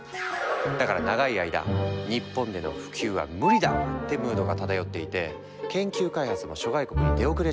だから長い間日本での普及は無理だわってムードが漂っていて研究開発も諸外国に出遅れちゃってたんだ。